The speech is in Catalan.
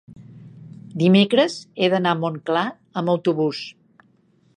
dimecres he d'anar a Montclar amb autobús.